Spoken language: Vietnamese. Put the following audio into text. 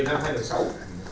đã quá thời hạn rất lâu